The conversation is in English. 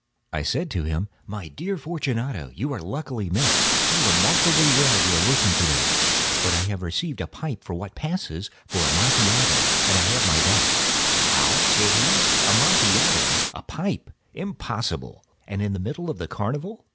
I said to him: "My dear Fortunato, you are luckily met. How remarkably well you are looking to day! But I have received a pipe of what passes for Amontillado, and I have my doubts." "How?" said he. "Amontillado? A pipe? Impossible! And in the middle of the carnival!"